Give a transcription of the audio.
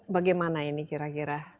bagaimana ini kira kira